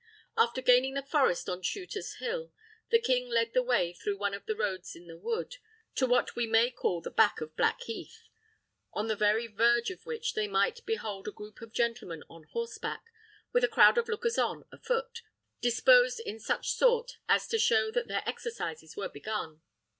After gaining the forest on Shooter's Hill, the king led the way through one of the roads in the wood, to what we may call the back of Blackheath, on the very verge of which they might behold a group of gentlemen on horseback, with a crowd of lookers on afoot, disposed in such sort as to show that their exercises were begun.